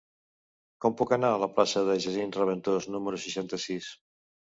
Com puc anar a la plaça de Jacint Reventós número seixanta-sis?